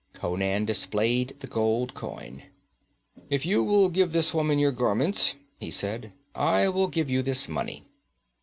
Conan displayed the gold coin. 'If you will give this woman your garments,' he said, 'I will give you this money.'